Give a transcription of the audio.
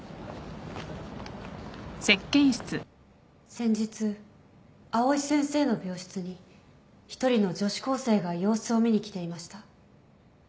先日藍井先生の病室に一人の女子高生が様子を見に来ていました。